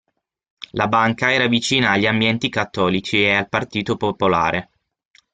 La banca era vicina agli ambienti cattolici e al Partito Popolare.